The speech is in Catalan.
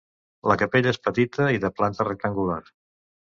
La capella és petita i de planta rectangular.